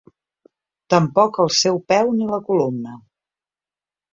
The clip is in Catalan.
Tampoc el seu peu ni la columna.